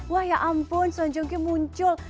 wah ya ampun song joong ki muncul